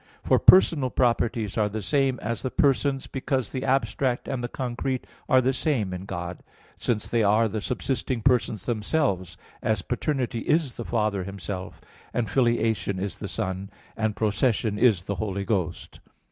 For personal properties are the same as the persons because the abstract and the concrete are the same in God; since they are the subsisting persons themselves, as paternity is the Father Himself, and filiation is the Son, and procession is the Holy Ghost.